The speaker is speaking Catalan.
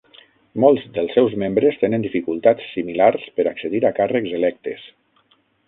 Molts dels seus membres tenen dificultats similars per accedir a càrrecs electes.